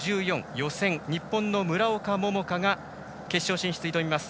予選、日本の村岡桃佳が決勝進出に挑みます。